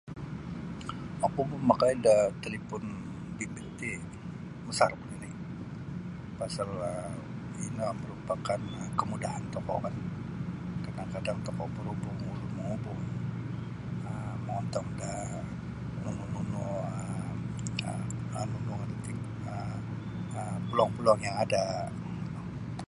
Oku mamakai da talipon bimbit ti masaruk nini' pasal um ino merupakan kemudahan tokou kan kadang-kadang tokou berhubung ulun menghubung um mongontong da nunu-nunu um nunu iti um blog-blog yang ada'.